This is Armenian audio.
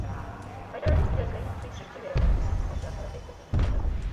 Հայտարարվեց միջազգային մրցույթ շենքի՝ վերակառուցման համար ճարտարապետ գտնելու նպատակով։